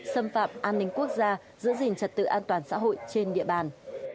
xâm phạm an ninh quốc gia giữ gìn trật tự an toàn xã hội trên địa bàn